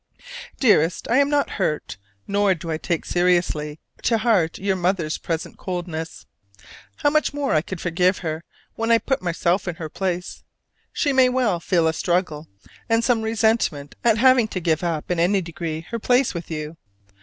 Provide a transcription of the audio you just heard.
Dearest, I am not hurt, nor do I take seriously to heart your mother's present coldness. How much more I could forgive her when I put myself in her place! She may well feel a struggle and some resentment at having to give up in any degree her place with you.